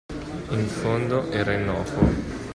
In fondo, era innocuo.